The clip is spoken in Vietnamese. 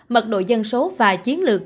mật độ dân số và chiến lược